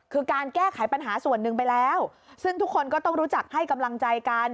คือการแก้ไขปัญหาส่วนหนึ่งไปแล้วซึ่งทุกคนก็ต้องรู้จักให้กำลังใจกัน